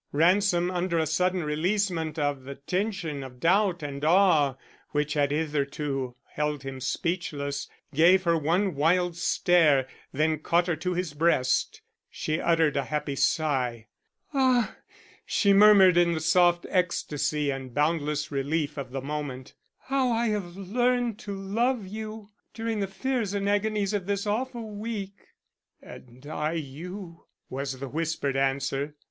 Ransom, under a sudden releasement of the tension of doubt and awe which had hitherto held him speechless, gave her one wild stare, then caught her to his breast. She uttered a happy sigh. "Ah!" she murmured in the soft ecstasy and boundless relief of the moment, "how I have learned to love you during the fears and agonies of this awful week." "And I you," was the whispered answer.